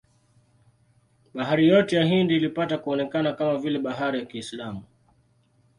Bahari yote ya Hindi ilipata kuonekana kama vile bahari ya Kiislamu.